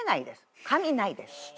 紙ないです。